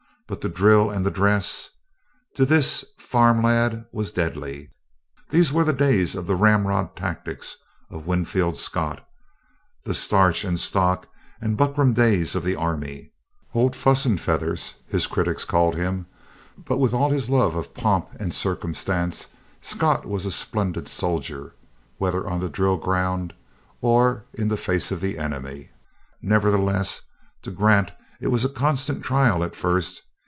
But the drill and the dress! To this farm lad it was deadly. These were the days of the "ramrod" tactics of Winfield Scott the starch and stock and buckram days of the army. "Old Fuss and Feathers" his critics called him, but with all his love of pomp and circumstance Scott was a splendid soldier, whether on the drill ground, or in the face of the enemy. Nevertheless, to Grant it was a constant trial, at first.